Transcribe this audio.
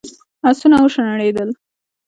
آسونه وشڼېدل.